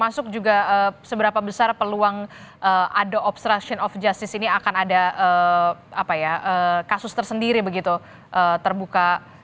masuk juga seberapa besar peluang ada obstruction of justice ini akan ada kasus tersendiri begitu terbuka